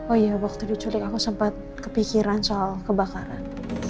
oh iya waktu diculik aku sempat kepikiran soal kebakaran